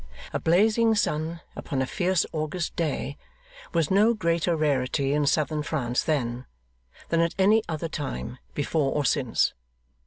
A blazing sun upon a fierce August day was no greater rarity in southern France then, than at any other time, before or since.